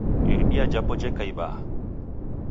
Iridia japo jeka ibaha.